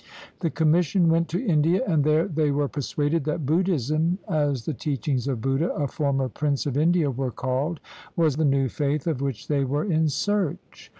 The com mission went to India; and there they were persuaded that Buddhism, as the teachings of Buddha, a former prince of India, were called, was the new faith of which they were in search.